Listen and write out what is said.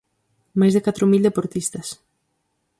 Máis de catro mil deportistas.